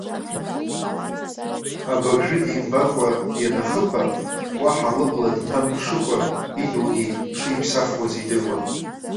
Абыржәы димбакәа ианахыԥа, уаҳа лыбла дҭамԥшыкәа идунеи шиԥсахуаз идыруан.